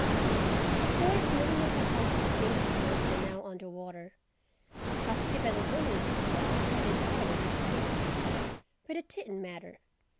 Of course many of the houses near the shores were now under water. Popsipetel Village itself had entirely disappeared. But it didn't matter.